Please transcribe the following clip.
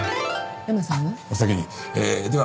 山さんは？